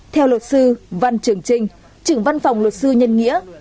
theo luật sư văn trường trinh trưởng văn phòng luật sư nhân nghĩa